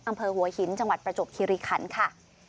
อำเภอหัวหินจังหวัดประจวบคิริคันค่ะ